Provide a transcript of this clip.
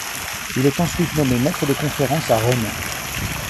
Il est ensuite nommé maître de conférences à Rennes.